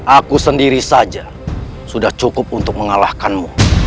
aku sendiri saja sudah cukup untuk mengalahkanmu